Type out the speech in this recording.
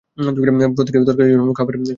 প্রত্যেক তরকারির জন্যে খাবার আলাদা আলাদা বাটি!